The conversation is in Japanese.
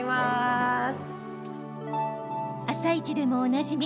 「あさイチ」でもおなじみ